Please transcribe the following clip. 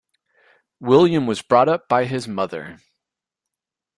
William was brought up by his mother.